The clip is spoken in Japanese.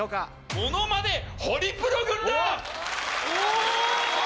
ものまねホリプロ軍団！